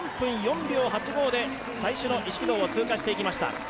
３分４秒８５で最初の１ｋｍを通過していきました。